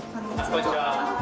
こんにちは。